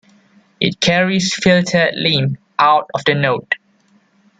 It carries filtered lymph out of the node.